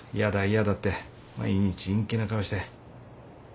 嫌だって毎日陰気な顔して。